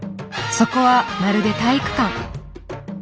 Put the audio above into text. そこはまるで体育館。